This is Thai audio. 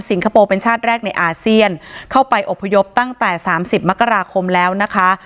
คโปร์เป็นชาติแรกในอาเซียนเข้าไปอบพยพตั้งแต่สามสิบมกราคมแล้วนะคะ